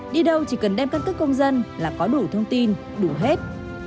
đi đâu chỉ cần đem căn cứ công dân là có đủ thông tin đủ hết